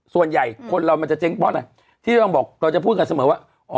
ส่วนใหญ่คนเรามันจะเจ๊งปอดอ่ะที่ต้องบอกเราจะพูดกันเสมอว่า